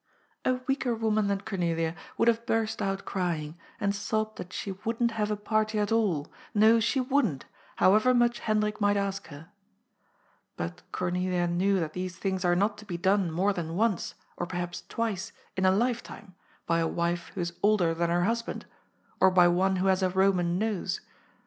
184 GOD'S FOOL. A weaker woman than Cornelia would have bnrst out cr3ring, and sobbed that she wouldn't have a party at all, no, she wouldn't, however much Hendrik might ask her. But Cornelia knew that these things are not to be done more than once, or perhaps twice, in a life time by a wife who is older than her husband, or by one who has a Eoman nose.